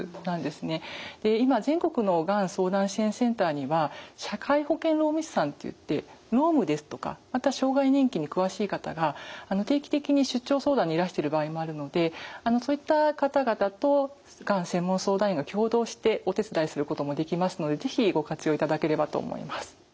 今全国のがん相談支援センターには社会保険労務士さんといって労務ですとかまた障害年金に詳しい方が定期的に出張相談にいらしてる場合もあるのでそういった方々とがん専門相談員が共同してお手伝いすることもできますので是非ご活用いただければと思います。